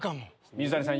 水谷さん